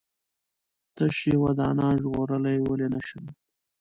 تش یوه دانه ژغورلای ولې نه شم؟